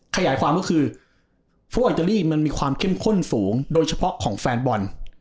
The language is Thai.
ขยายความก็คือพวกอิตาลีมันมีความเข้มข้นสูงโดยเฉพาะของแฟนบอล